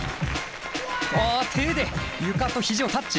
あ手で床と肘をタッチ。